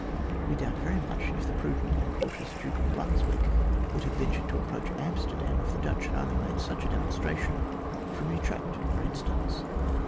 We doubt very much if the prudent and cautious duke of Brunswick would have ventured to ap proach Amsterdam if the Dutch had only made such a demonstration, from Utrecht for instance.